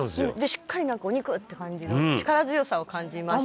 「しっかりお肉って感じが力強さを感じました」